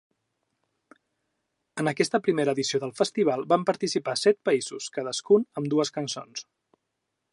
En aquesta primera edició del Festival van participar set països, cadascun amb dues cançons.